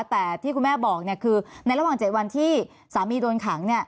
แต่ที่คุณแม่บอกคือในระหว่าง๗วันที่สามีโดนขัง